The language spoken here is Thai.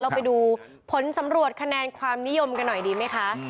ไปดูผลสำรวจคะแนนความนิยมกันหน่อยดีไหมคะ